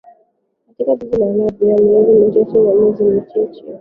katika jiji la lavyia miezi michache ka miezi michache